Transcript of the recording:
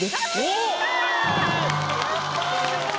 やった。